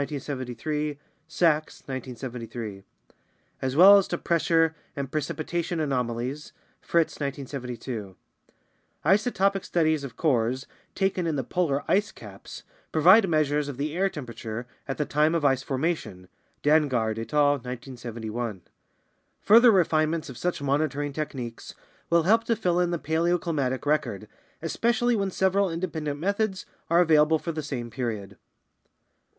1973; Sachs, 1973), as well as to pressure and precipitation anomalies (Fritts, 1972). Isotopic studies of cores taken in the polar ice caps provide measures of the air temperature at the time of ice formation (Dansgaard et al., 1971). Further refinements of such monitoring tech niques will help to fill in the paleoclimatic record, especially when several independent methods are available for the same period.